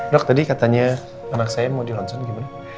dok tadi katanya anak saya mau di ronsen gimana